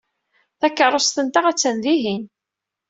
Takeṛṛust-nteɣ attan dihin.